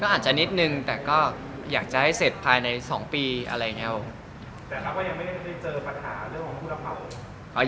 ก็อาจจะนิดนึงแต่ก็อยากให้เสร็จภายใน๒ปีอะไรอย่างนี้นะครับผม